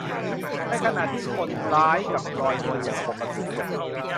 ในขณะที่คนร้ายกลับลอยนวลอย่างปกติสุข